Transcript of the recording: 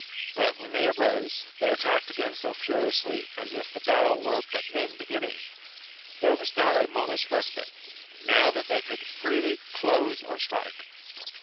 But, when they rose, they attacked again so furiously as if the battle were but then beginning ; there was not a moment's respite, now that they could freely close or strike.